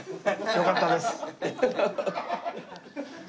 よかったです。